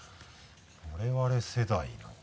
我々世代の？